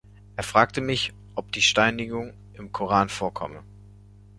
Er fragte mich, ob die Steinigung im Koran vorkomme.